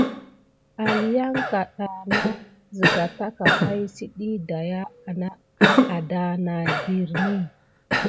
Aliyanka da na ziga taka pay si diy daya adanah beridi.